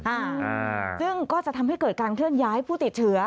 อ่าซึ่งก็จะทำให้เกิดการเคลื่อนย้ายผู้ติดเชื้อ